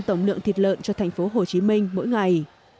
năm mươi tổng lượng thịt lợn cho thành phố hồ chí minh mỗi ngày